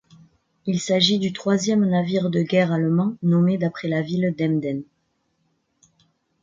Il s'agit du troisième navire de guerre allemand nommé d'après la ville d'Emden.